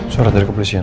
surat dari kepolisian